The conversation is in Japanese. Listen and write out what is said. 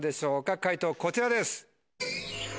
解答こちらです。